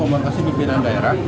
terima kasih pimpinan daerah